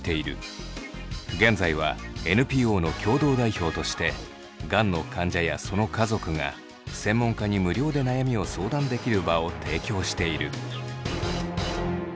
現在はＮＰＯの共同代表としてがんの患者やその家族が専門家に無料で悩みを相談できる場を提供している。